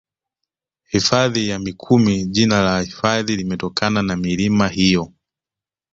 Hifadhi ya Mikumi jina la hifadhi limetokana na milima hiyo